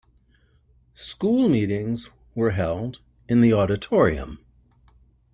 School meetings were held in the auditorium.